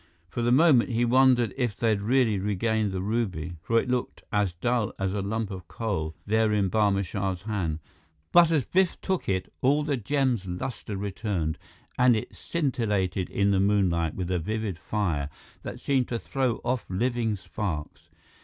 For the moment, he wondered if they'd really regained the ruby, for it looked as dull as a lump of coal, there in Barma Shah's hand. But as Biff took it, all the gem's luster returned and it scintillated in the moonlight with a vivid fire that seemed to throw off living sparks.